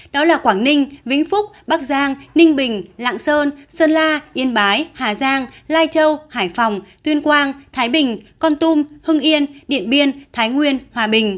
đó là quảng ninh vĩnh phúc bắc giang ninh bình lạng sơn sơn la yên bái hà giang lai châu hải phòng tuyên quang thái bình con tum hưng yên điện biên thái nguyên hòa bình